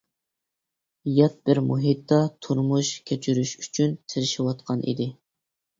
يات بىر مۇھىتتا تۇرمۇش كەچۈرۈش ئۈچۈن تىرىشىۋاتقان ئىدى.